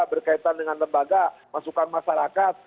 berkaitan dengan lembaga masukan masyarakat